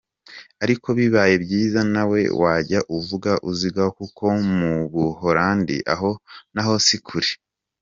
Ariko bibaye byiza nawe wajya uvuga uziga kuko mu Buhorandi aho naho si kure